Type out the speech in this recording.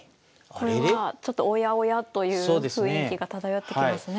これはちょっとおやおやという雰囲気が漂ってきますね。